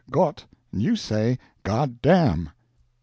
Gott!' you say 'Goddamn.'"